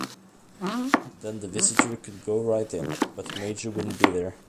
Then the visitor could go right in, but Major wouldn't be there.